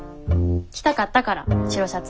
着たかったから白シャツを。